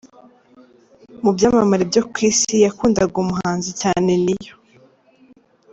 Mu byamamare byo ku Isi, yakundaga umuhanzi cyane Neyo.